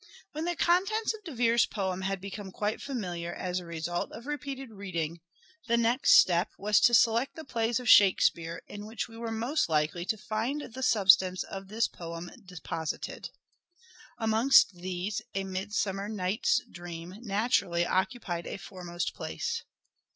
When the contents of De Vere's poem had become quite familiar as a result of repeated reading, the next step was to select the plays of " Shakespeare " in which we were most likely to find the substance of this poem deposited. Amongst these, "A Midsummer Night's Dream" naturally .. A occupied a foremost place.